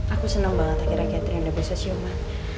aku seneng banget akhirnya catherine udah bisa siuman